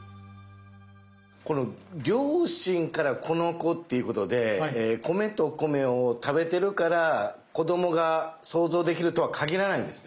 この両親からこの子っていうことで米と米を食べてるから子供が想像できるとは限らないんですね。